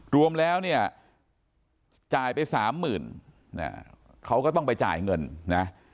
รวมแล้วเนี่ยจ่ายไปสามหมื่นเขาก็ต้องไปจ่ายเงินนะ